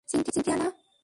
Cynthia, না?